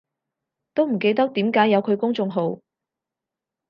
都唔記得點解有佢公眾號